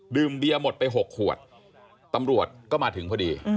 เดียหมดไป๖ขวดตำรวจก็มาถึงพอดี